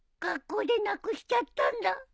学校でなくしちゃったんだ。